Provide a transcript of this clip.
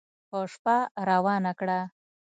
په شپه روانه کړه